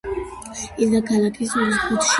იდგა ქალაქის ზღუდეში დატანებულ კართან.